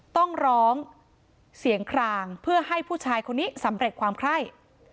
ต้องร้องเสียงคลางเพื่อให้ผู้ชายคนนี้สำเร็จความไคร่